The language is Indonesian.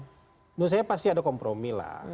menurut saya pasti ada kompromi lah